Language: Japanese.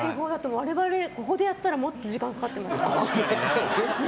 我々でやったらもっと時間かかってますよ。